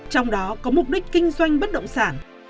trong đó có mục đích kinh doanh bất động sản